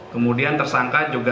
kemudian tersangka juga